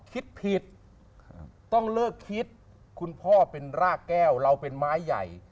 คิดผิดต้องเลิกคิดคุณพ่อเป็นรากแก้วเราเป็นไม้ใหญ่